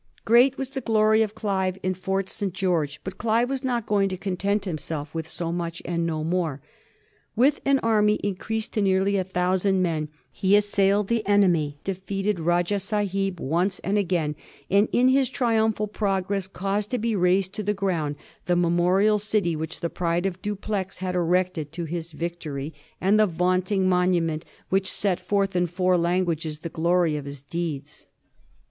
Great was the glory of Clive in Fort St. George ; but Clive was not going to content himself with so much and no more. With an army increased to nearly a thousand men, he assailed the enemy, defeated Rajah Sahib once and again, and in his triumphal progress caused to be razed to the ground the memorial city which the pride of Dupleix had erected to his victory, and the vaunting mon ument which set forth in four languages the glory of his deeds.